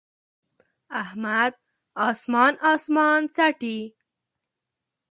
احمد اسمان اسمان څټي.